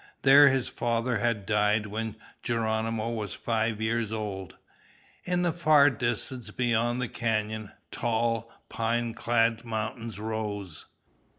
There his father had died when Geronimo was five years old. In the far distance beyond the canyon, tall, pine clad mountains rose.